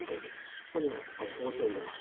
ここにねまず包丁を入れます。